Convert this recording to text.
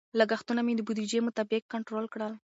لګښتونه مې د بودیجې مطابق کنټرول کړل.